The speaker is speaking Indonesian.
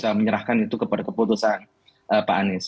untuk bisa menyerahkan itu kepada keputusan pak anies